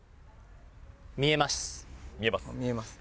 見えます。